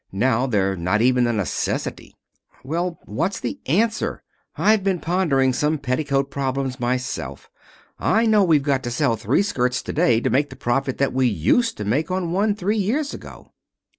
Now they're not even a necessity." "Well, what's the answer? I've been pondering some petticoat problems myself. I know we've got to sell three skirts to day to make the profit that we used to make on one three years ago."